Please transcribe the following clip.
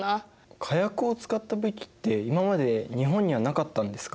火薬を使った武器って今まで日本にはなかったんですか？